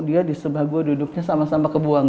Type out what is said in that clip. dia di seba gue duduknya sama sama kebuang